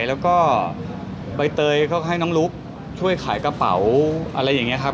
แล้วก็ใบเตยก็ให้น้องลุ๊กช่วยขายกระเป๋าอะไรอย่างนี้ครับ